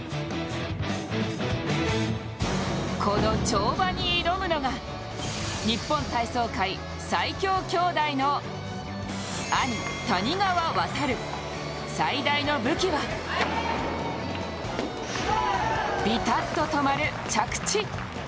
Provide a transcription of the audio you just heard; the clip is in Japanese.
この跳馬に挑むのが日本体操界最強兄弟の兄・谷川航、最大の武器はビタッと止まる着地。